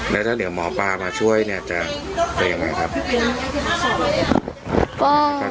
แล้วจะเดี๋ยวหมอปลามาช่วยเนี่ยจะได้อย่างไรครับ